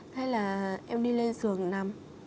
thế là em đi lên giường nằm